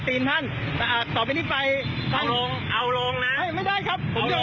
ประตูนรกเปิดหน่อยนะครับ